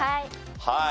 はい。